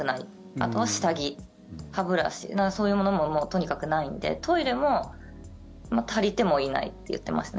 あとは下着、歯ブラシそういうものもとにかくないんでトイレも足りてもいないって言ってますね。